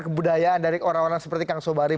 kebudayaan dari orang orang seperti kang sobari